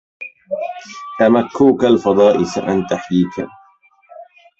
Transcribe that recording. أمكوك الخسار سأنتحيكا